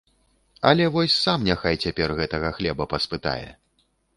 Але вось сам няхай цяпер гэтага хлеба паспытае.